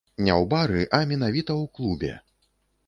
Не ў бары, а менавіта ў клубе.